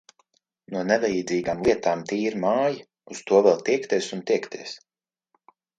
No nevajadzīgām lietām tīra māja—uz to vēl tiekties un tiekties.